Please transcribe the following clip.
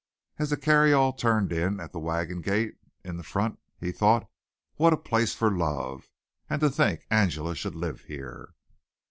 As the carryall turned in at the wagon gate in front he thought "What a place for love! and to think Angela should live here."